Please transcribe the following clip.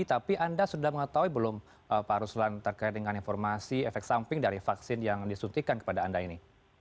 tapi anda sudah mengetahui belum pak ruslan terkait dengan informasi efek samping dari vaksin yang disuntikan kepada anda ini